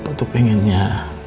papa tuh pengennya